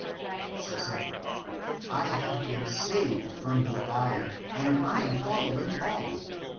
" And she said, " I have been saved from the fire, and am following Paul."